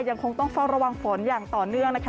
ยังคงต้องเฝ้าระวังฝนอย่างต่อเนื่องนะคะ